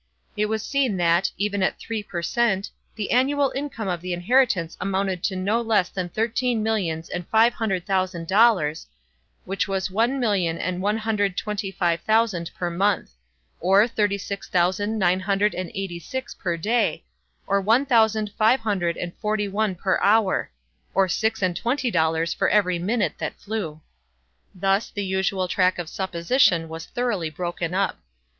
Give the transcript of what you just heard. It was seen that, even at three per cent., the annual income of the inheritance amounted to no less than thirteen millions and five hundred thousand dollars; which was one million and one hundred and twenty five thousand per month; or thirty six thousand nine hundred and eighty six per day; or one thousand five hundred and forty one per hour; or six and twenty dollars for every minute that flew. Thus the usual track of supposition was thoroughly broken up.